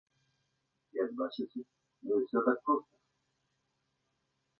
Як бачыце, не ўсё так проста.